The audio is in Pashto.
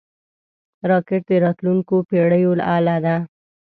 راکټ د راتلونکو پېړیو اله ده